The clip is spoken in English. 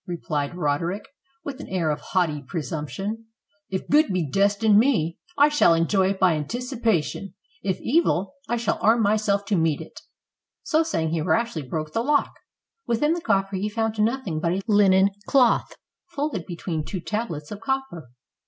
replied Roderick, with an air of haughty pre sumption. "If good be destined me, I shall enjoy it by anticipation; if evil,^I shall arm myself to meet it." So saying, he rashly broke the lock. Within the coffer he found nothing but a linen cloth, folded between two tablets of copper.